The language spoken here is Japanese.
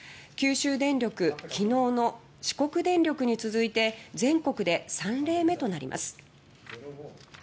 九州電力昨日の四国電力に続いて全国で３例目となります。